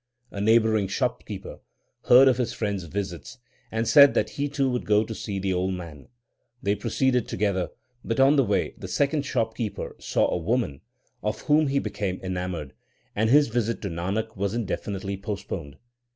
A neighbouring shopkeeper heard of his friend s visits, and said that he too would go to see the holy man. They proceeded together, but on the way the second shopkeeper saw a woman of whom he became enamoured, and his visit to Nanak was indefinitely postponed.